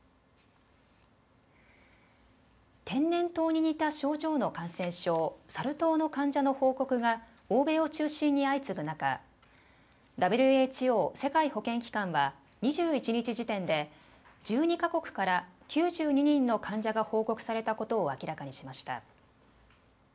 天然痘に似た症状の感染症、サル痘の患者の報告が欧米を中心に相次ぐ中、ＷＨＯ・世界保健機関は２１日時点で１２か国から９２人の患者が報告されたことを明らかにしました。